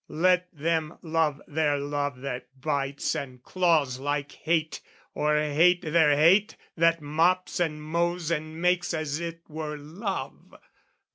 Let them love their love That bites and claws like hate, or hate their hate That mops and mows and makes as it were love!